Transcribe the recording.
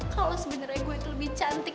kalau sebenarnya gue itu lebih cantik